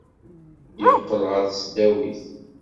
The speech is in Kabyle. Yeqqel ɣer tesdawit.